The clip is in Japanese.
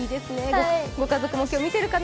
ご家族も今日、見ているかな？